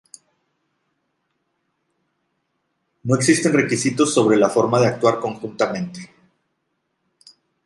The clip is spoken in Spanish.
No existen requisitos sobre la forma de actuar conjuntamente.